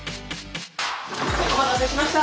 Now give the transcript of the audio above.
お待たせしました。